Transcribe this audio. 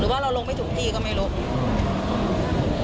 หรือว่าเราลงไม่ถูกที่ก็ไม่รบ